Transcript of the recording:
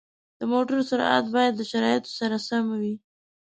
د موټرو سرعت باید د شرایطو سره سم وي.